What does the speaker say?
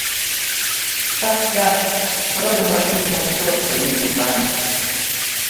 Час цяжкі, робім практычна ўсё сваімі рукамі.